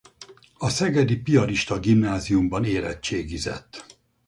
A szegedi piarista gimnáziumban érettségizett.